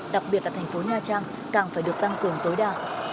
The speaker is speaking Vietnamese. đặc biệt là thành phố nha trang càng phải được tăng cường tối đa